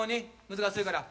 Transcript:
難しいから。